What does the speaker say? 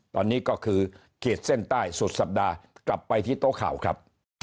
ตอนนี้ก็คือขีดเส้นใต้สุดสัปดาห์กลับไปที่โต๊ะข่าวครับ